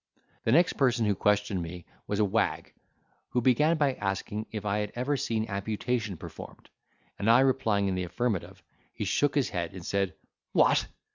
The next person who questioned me was a wag, who began by asking if I had ever seen amputation performed; and I replying in the affirmative, he shook his head and said, "What!